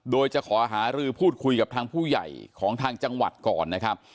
โดยจะขอหารือพูดคุยกับทางผู้ใหญ่ของทางจังหวัดก่อนนะครับ